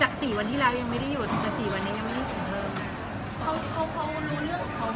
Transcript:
จากสี่วันที่แล้วยังไม่ได้หยุดแต่สี่วันนี้ยังไม่ได้สูงเพิ่ม